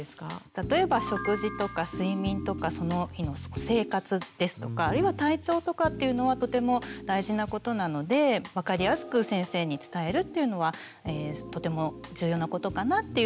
例えば食事とか睡眠とかその日の生活ですとかあるいは体調とかっていうのはとても大事なことなので分かりやすく先生に伝えるっていうのはとても重要なことかなっていうふうに思います。